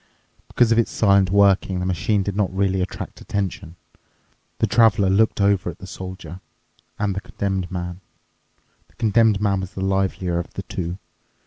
Because of its silent working, the machine did not really attract attention. The Traveler looked over at the Soldier and the Condemned Man. The Condemned Man was the livelier of the two.